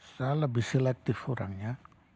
saya lebih selektif orangnya